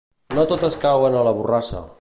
No totes cauen a la borrassa.